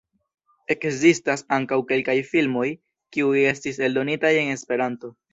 Ekzistas ankaŭ kelkaj filmoj, kiuj estis eldonitaj en Esperanto.